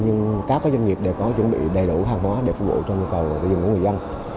nhưng các doanh nghiệp đều có chuẩn bị đầy đủ hàng hóa để phục vụ cho nhu cầu tiêu dùng của người dân